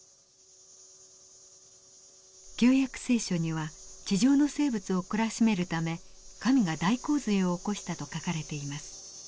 「旧約聖書」には地上の生物を懲らしめるため神が大洪水を起こしたと書かれています。